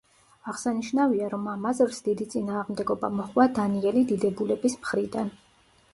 აღსანიშნავია, რომ ამ აზრს დიდი წინააღმდეგობა მოჰყვა დანიელი დიდებულების მხრიდან.